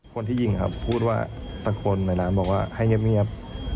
คนที่ยิงครับพูดว่าตะโกนในร้านบอกว่าให้เงียบ